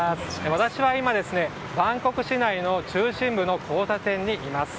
私は今、バンコク市内の中心部の交差点にいます。